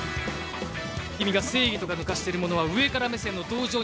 「君が正義とか抜かしてるものは上から目線の同情にすぎない」